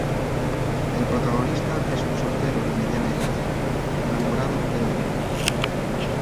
El protagonista es un soltero de mediana edad, enamorado de las mujeres.